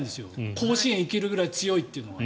甲子園行けるぐらい強いというのが。